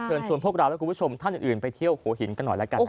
เชิญชวนพวกเราและคุณผู้ชมท่านอื่นไปเที่ยวหัวหินกันหน่อยแล้วกัน